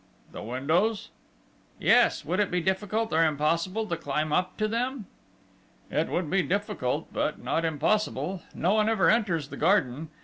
"The windows?" "Yes. Would it be difficult, or impossible to climb up to them?" "It would be difficult, but not impossible. No one ever enters the garden.